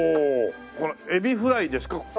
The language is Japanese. これエビフライですか？